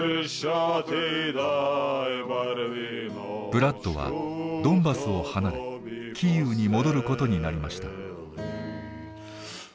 ブラッドはドンバスを離れキーウに戻ることになりました。